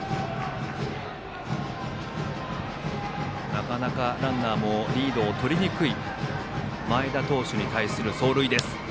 なかなかランナーもリードをとりにくい前田投手に対する走塁。